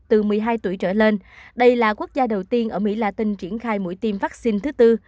và một mươi hai tuổi trở lên đây là quốc gia đầu tiên ở mỹ latin triển khai mũi tiêm vắc xin thứ bốn